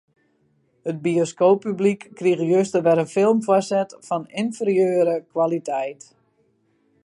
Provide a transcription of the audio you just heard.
It bioskooppublyk krige juster wer in film foarset fan ynferieure kwaliteit.